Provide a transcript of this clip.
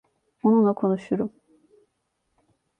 Onunla konuşurum.